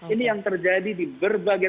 ini yang terjadi di berbagai